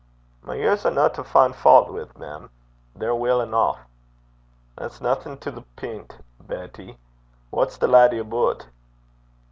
'My years are no to fin' faut wi', mem. They're weel eneuch.' 'That's naething to the pint, Betty. What's the laddie aboot?'